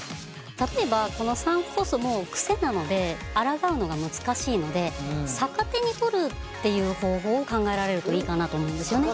例えばこのサンクコストも癖なのであらがうのが難しいので逆手に取るっていう方法を考えられるといいかなと思うんですよね。